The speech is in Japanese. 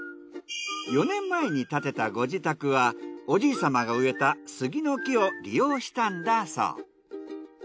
４年前に建てたご自宅はおじいさまが植えた杉の木を利用したんだそう。